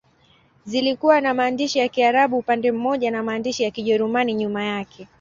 Zilikuwa na maandishi ya Kiarabu upande mmoja na maandishi ya Kijerumani nyuma yake.